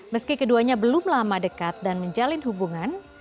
meski keduanya belum lama dekat dan menjalin hubungan